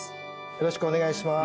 よろしくお願いします